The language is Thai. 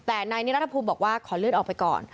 แต่นายนิรัฐภูมิบอกว่าขอเลื่อนออกไปก่อน